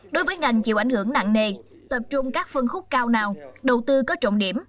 đối với ngành chịu ảnh hưởng nặng nề tập trung các phân khúc cao nào đầu tư có trọng điểm